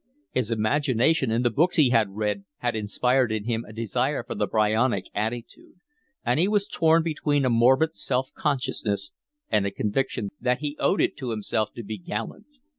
His imagination and the books he had read had inspired in him a desire for the Byronic attitude; and he was torn between a morbid self consciousness and a conviction that he owed it to himself to be gallant.